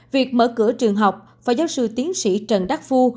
việc mở cửa trường học phó giáo sư tiến sĩ trần đắc phu